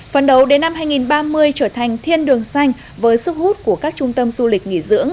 phần đầu đến năm hai nghìn ba mươi trở thành thiên đường xanh với sức hút của các trung tâm du lịch nghỉ dưỡng